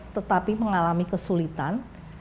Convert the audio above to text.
tetapi mengalami kesulitan